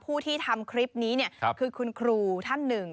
โปรดติดตามตอนต่อไป